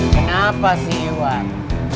kenapa sih iwan